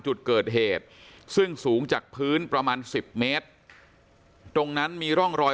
จุดเกิดเหตุซึ่งสูงจากพื้นประมาณ๑๐เมตรตรงนั้นมีร่องรอย